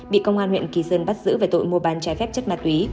bị công an huyện kỳ sơn bắt giữ về tội mua bán trái phép chất ma túy